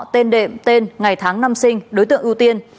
tên đệm tên ngày tháng năm sinh đối tượng ưu tiên